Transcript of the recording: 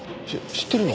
知ってるの？